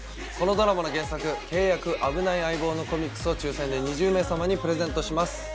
このドラマの原作『ケイ×ヤク‐あぶない相棒‐』のコミックスを抽選で２０名様にプレゼントします。